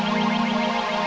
tidak ada apa apa